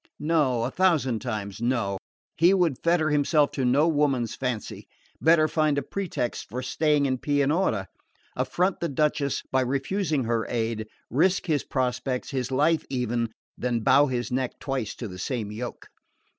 No, a thousand times no; he would fetter himself to no woman's fancy! Better find a pretext for staying in Pianura, affront the Duchess by refusing her aid, risk his prospects, his life even, than bow his neck twice to the same yoke.